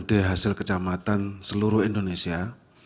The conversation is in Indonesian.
dari hasil kecamatan seluruh indonesia